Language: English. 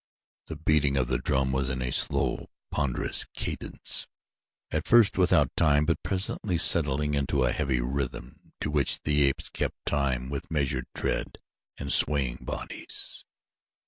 The beating of the drum was in a slow, ponderous cadence, at first without time but presently settling into a heavy rhythm to which the apes kept time with measured tread and swaying bodies.